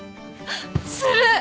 する！